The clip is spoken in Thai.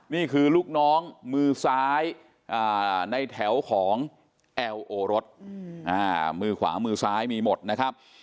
นี่คือลูกน้องมือซ้ายในแถวของแอลโอรสมือขวามือซ้ายมีหมดนะครับ